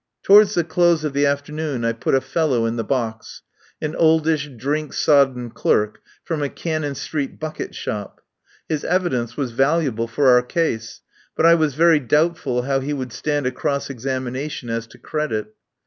Towards the close of the afternoon I put a fellow in the box, an oldish, drink sodden clerk from a Cannon Street bucket shop. His evidence was valuable for our case, but I was very doubtful how he would stand a cross ex amination as to credit.